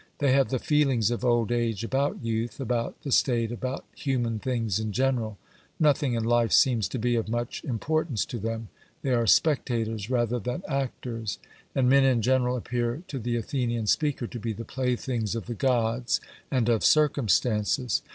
They have the feelings of old age about youth, about the state, about human things in general. Nothing in life seems to be of much importance to them; they are spectators rather than actors, and men in general appear to the Athenian speaker to be the playthings of the Gods and of circumstances.